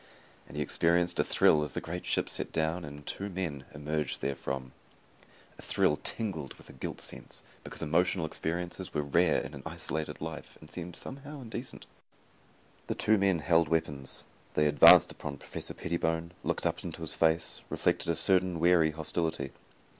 And he experienced a thrill as the great ship set down and two men emerged therefrom. A thrill tinged with a guilt sense, because emotional experiences were rare in an isolated life and seemed somehow indecent. The two men held weapons. They advanced upon Professor Pettibone, looked up into his face, reflected a certain wary hostility.